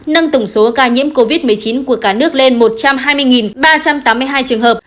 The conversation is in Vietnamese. nâng tổng số ca nhiễm covid một mươi chín của cả nước lên một trăm hai mươi ba trăm tám mươi hai trường hợp